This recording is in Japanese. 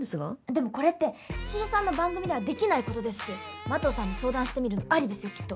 でもこれって茅代さんの番組ではできない事ですし麻藤さんに相談してみるのありですよきっと。